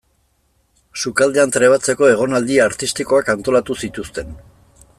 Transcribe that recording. Sukaldean trebatzeko egonaldi artistikoak antolatu zituzten.